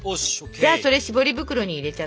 じゃあそれしぼり袋に入れちゃって。